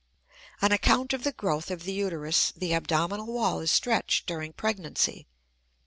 On account of the growth of the uterus the abdominal wall is stretched during pregnancy.